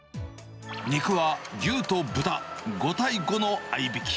肉は牛と豚５対５のあいびき。